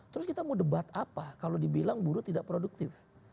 terus kita mau debat apa kalau dibilang buruh tidak produktif